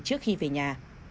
trước khi về nhà